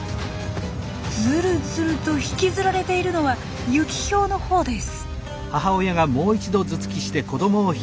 ずるずると引きずられているのはユキヒョウのほうです。